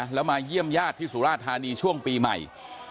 แล้วมาเยี่ยมญาติที่สุราธานีช่วงปีใหม่